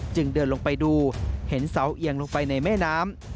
จึงเดินลงไปดูเห็นเสาเอียงลงไปในแม่น้ำ